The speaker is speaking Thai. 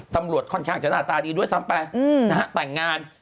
ตำรวจค่อนข้างจะหน้าตาดีด้วยซ้ำไปแต่งงาน